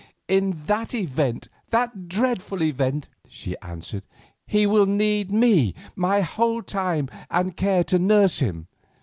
"In that event, that dreadful event," she answered, "he will need me, my whole time and care to nurse him.